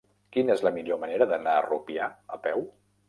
Quina és la millor manera d'anar a Rupià a peu?